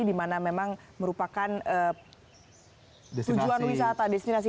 dimana memang merupakan tujuan wisata destinasi wisata untuk semua orang